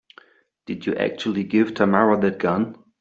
Did you actually give Tamara that gun?